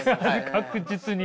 確実に。